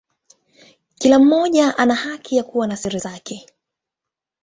Kila mmoja ana haki ya kuwa na siri zake.